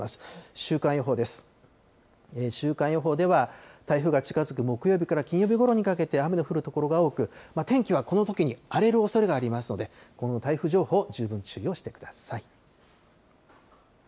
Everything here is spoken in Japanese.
週間予報では台風が近づく木曜日から金曜日ごろにかけて雨の降る所が多く、天気はこのときに荒れるおそれがありますので、今後の台風情報、十分注意をしてください。